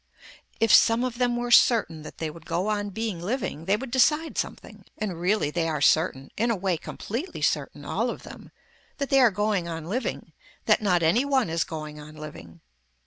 If some of them were certain that they would go on being living, they would decide something. And really they are certain, in a way completely certain, all of them, that they are going on living, that not any one is going on living.